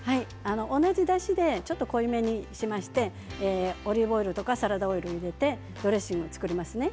同じだしでちょっと濃いめにしましてオリーブオイルやサラダオイルを入れたドレッシングを作ります。